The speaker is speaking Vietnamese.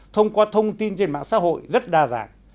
thông qua thông tin trên mạng xã hội rất đa dạng